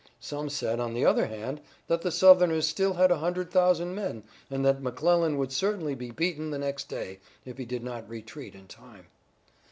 Some said, on the other hand, that the Southerners still had a hundred thousand men, and that McClellan would certainly be beaten the next day, if he did not retreat in time.